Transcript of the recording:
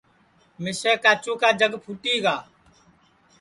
مِسے کاچُو کا جگ پُھوٹی گا